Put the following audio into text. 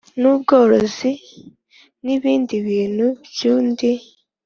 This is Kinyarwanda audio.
n ubworozi n ibindi bintu by undi